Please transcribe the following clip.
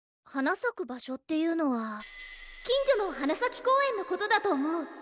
花咲く場所っていうのは近所の花咲公園のことだと思う。